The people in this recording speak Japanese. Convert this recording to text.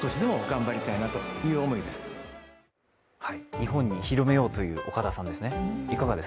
日本に広めようという岡田さんです。